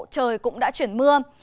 trời cũng đã chuyển mưa